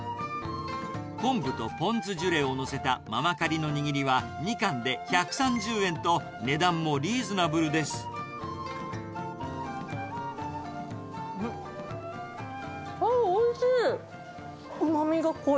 昆布とポン酢ジュレを載せたママカリの握りは、２貫で１３０円と、ああ、おいしい！